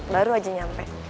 baru aja nyampe